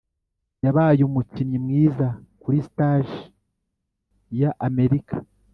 yabaye umukinnyi mwiza kuri stage ya amerika.